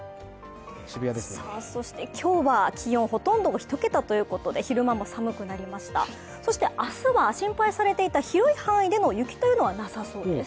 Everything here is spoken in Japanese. そして今日は気温、ほとんど１桁ということで、昼間も寒くなりましたそして明日は心配されていた広い範囲での雪というのはなさそうです。